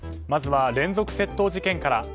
まずは連続窃盗事件から。